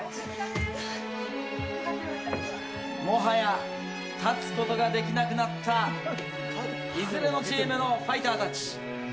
もはや立つことができなくなったいずれのチームのファイターたち。